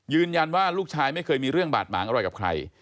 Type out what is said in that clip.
ยืนยันว่าลูกชายไม่เคยมีเรื่องบาดหมางอะไรกับใคร